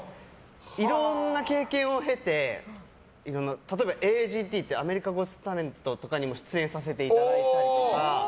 いろんな経験を経て例えばアメリカボスタレントとかにも出演させていただいたりとか。